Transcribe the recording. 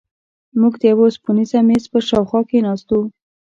موږ د یوه اوسپنیز میز پر شاوخوا کېناستو.